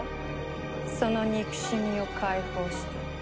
その憎しみを解放して。